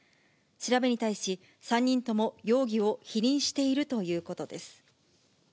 調べに対し、３人とも容疑を否認しているということです。